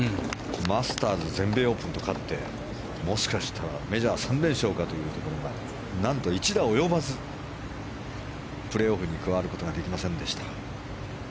マスターズ、全米オープンと勝ってもしかしたらメジャー３連勝かというところがなんと１打及ばず、プレーオフに加わることができませんでした。